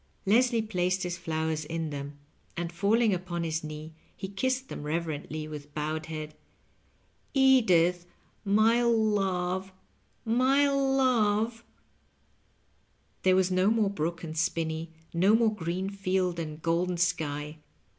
Leslie placed his flowers in them, and falling upon his knee he kissed them reverently with bowed head, " Edith, my love — my love 1 " There was no more brook and spinney, no more green field and golden sky.